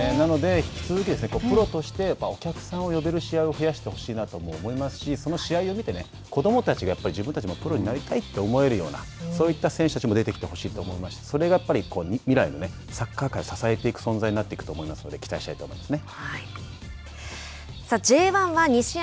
引き続きプロとしてお客さんを呼べる試合を増やしてほしいなと思いますしその試合を見て子どもたちがやっぱり自分たちもプロになりたいって思えるようなそういった選手たちも出てきてほしいと思いますしそれがやっぱり未来のサッカー界を支えていく存在になると思いますので期待したいと思いますね。